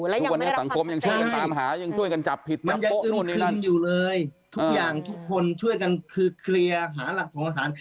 และยังไม่ได้รับความชัดแปลงใช่มันยังอึมคืนอยู่เลยทุกอย่างทุกคนช่วยกันคือเคลียร์หาหลักผลักฐาน